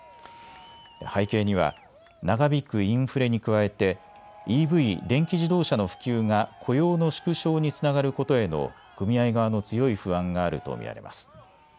背景には長引くインフレに加えてＥＶ・電気自動車の普及が雇用の縮小につながることへの組合側の強い不安があると見られます。